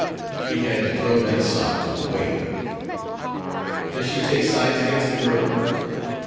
He had to throw that sop to the whale." "Does she take sides against the girl?"